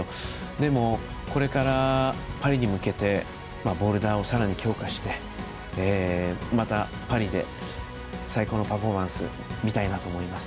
でも、これからパリに向けてボルダーをさらに強化してまた、パリで最高のパフォーマンスを見たいなと思います。